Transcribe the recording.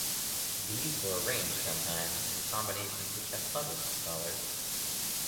These are arranged, sometimes, in combinations which have puzzled scholars.